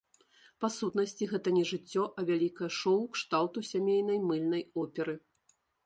Па сутнасці, гэта не жыццё, а вялікае шоў кшталту сямейнай мыльнай оперы.